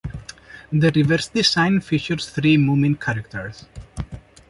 The reverse design features three Moomin characters.